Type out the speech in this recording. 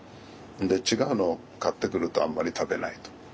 違うのを買ってくるとあんまり食べないと。